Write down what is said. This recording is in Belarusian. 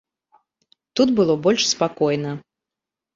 Тут было больш спакойна.